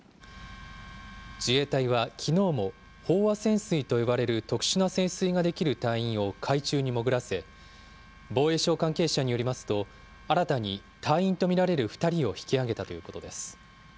自衛隊はきのうも、飽和潜水と呼ばれる特殊な潜水ができる隊員を海中に潜らせ、防衛省関係者によりますと、新たに隊員と見られる２人を引きあげたということです。